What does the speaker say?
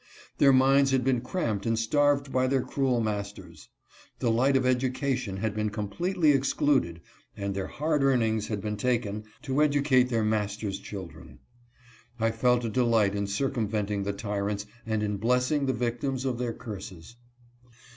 Their minds had been cramped and starved by their cruel masters. The light of education had been completely excluded and their hard earnings had been taken to educate their master's children. I felt a delight in circumventing the tyrants and in blessing the victims of their curses.